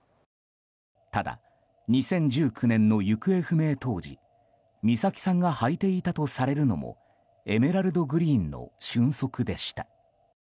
ただ、２０１９年の行方不明当時美咲さんが履いていたとされるのもエメラルドグリーンのＳＹＵＮＳＯＫＵでした。